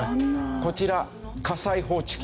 こちら火災報知器。